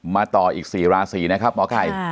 ต่ออีก๔ราศีนะครับหมอไก่